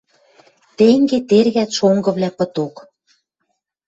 Тенге тергӓт шонгывлӓ пыток.